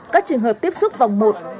các trường hợp tiếp xúc vòng một